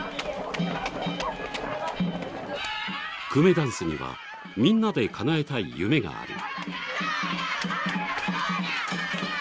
くめだんすにはみんなでかなえたい夢がある。